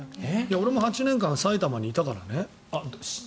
俺も８年間埼玉にいたからね。